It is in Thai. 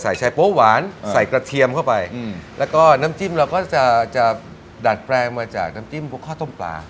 ใช้โป๊หวานใส่กระเทียมเข้าไปแล้วก็น้ำจิ้มเราก็จะจะดัดแปลงมาจากน้ำจิ้มพวกข้าวต้มปลา